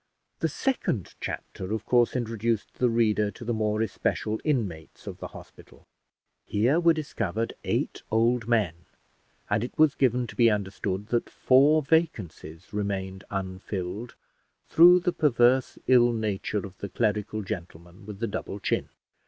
The second chapter of course introduced the reader to the more especial inmates of the hospital. Here were discovered eight old men; and it was given to be understood that four vacancies remained unfilled, through the perverse ill nature of the clerical gentleman with the double chin.